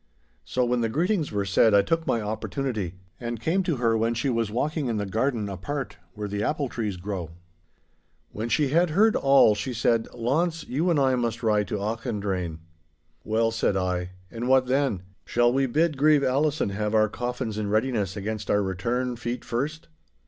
So, when the greetings were said, I took my opportunity and came to her when she was walking in the garden apart, where the apple trees grow. When she had heard all, she said, 'Launce, you and I must ride to Auchendrayne.' 'Well,' said I, 'and what then? Shall we bid Grieve Allison have our coffins in readiness against our return feet first?